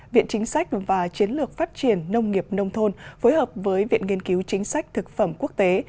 viện chính sách và chiến lược phát triển nông nghiệp nông thôn phối hợp với viện nghiên cứu chính sách thực phẩm quốc tế